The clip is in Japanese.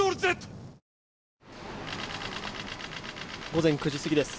午前９時過ぎです。